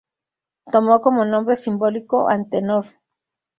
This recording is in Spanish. Tomó como nombre simbólico Antenor.